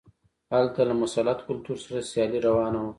هلته له مسلط کلتور سره سیالي روانه وه.